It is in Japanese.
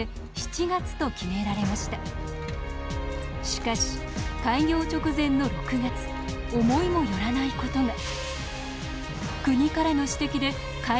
しかし開業直前の６月思いも寄らないことが。